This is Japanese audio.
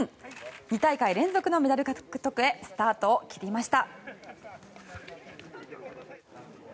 ２大会連続のメダル獲得へスタートを切りました。